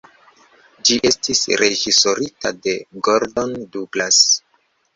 Ĝi estis reĝisorita de Gordon Douglas.